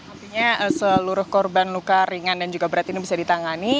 artinya seluruh korban luka ringan dan juga berat ini bisa ditangani